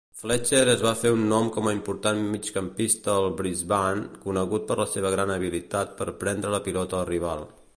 Fletcher es va fer un nom com a important migcampista al Brisbane, conegut per la seva gran habilitat per prendre la pilota al rival.